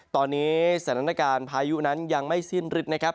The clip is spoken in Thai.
ตอนนี้สถานการณ์พายุนั้นยังไม่สิ้นฤทธิ์นะครับ